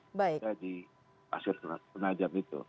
ada di pasir penajam itu